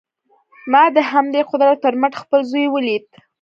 ما د همدې قدرت پر مټ خپل زوی وليد.